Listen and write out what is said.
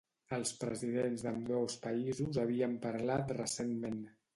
Els presidents d'ambdós països havien parlat recentment.